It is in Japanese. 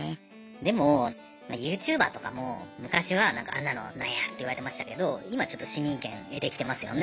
でもユーチューバーとかも昔はあんなのなんやって言われてましたけど今ちょっと市民権得てきてますよね。